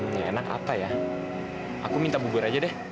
yang enak apa ya aku minta bubur aja deh